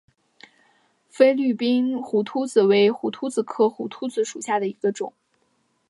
菲律宾胡颓子为胡颓子科胡颓子属下的一个种。